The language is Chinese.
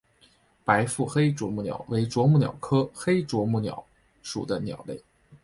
白腹黑啄木鸟为啄木鸟科黑啄木鸟属的鸟类。